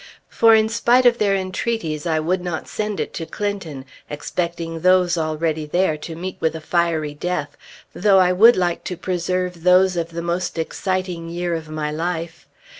For in spite of their entreaties, I would not send it to Clinton, expecting those already there to meet with a fiery death though I would like to preserve those of the most exciting year of my life.